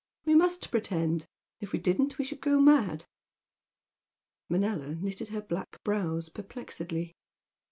We must pretend! If we didn't we should go mad!" Manella knitted her black brows perplexedly.